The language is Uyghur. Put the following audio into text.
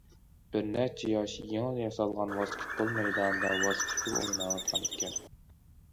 بىرنەچچە ياش يېڭى ياسالغان ۋاسكېتبول مەيدانىدا ۋاسكېتبول ئويناۋاتقان ئىكەن.